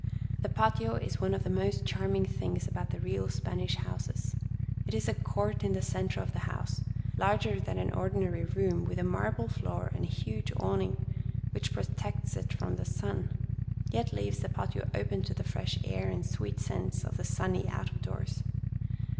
The patio is one of the most charming things about the real Spanish houses. It is a court in the centre of the house, larger than an ordi nary room, with a marble floor and a huge awning which protects from the sun, yet leaves the patio open to the fresh air and sweet scents of the sunny out of doors.